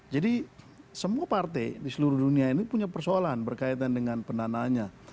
jadi semua partai di seluruh dunia ini punya persoalan berkaitan dengan pendanaannya